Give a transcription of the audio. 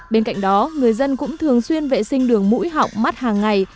bên cạnh đó người dân cũng thường xuyên vệ sinh đường mũi họng mắt hàng ngày